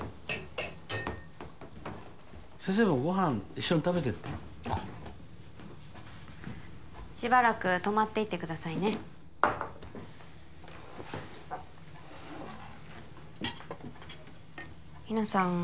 先生もご飯一緒に食べてってあっしばらく泊まっていってくださいねひなさん